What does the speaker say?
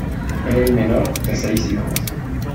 Es el menor de seis hijos.